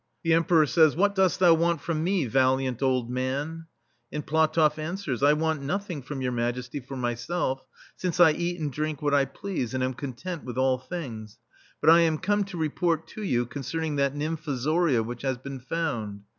The Emperor says: " What dost thou want from me, valiant old man ?'* And PlatoflF answers: "I want noth ing from Your Majesty for myself, since I eat and drink what I please, and am content with all things: but I am come to report to you concerning that nym fozoria which has been found.